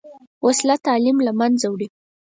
وسله تعلیم له منځه وړي